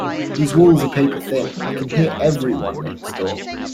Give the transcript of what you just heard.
These walls are paper thin, I can hear everyone next door.